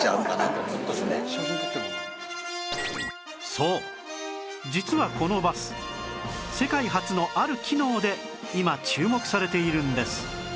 そう実はこのバス世界初のある機能で今注目されているんです